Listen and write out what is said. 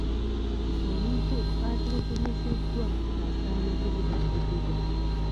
Omuntu atulugunyiziddwa asaana okubudaabudibwa.